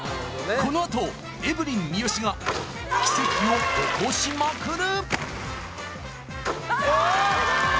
このあとエブリン三好が奇跡を起こしまくる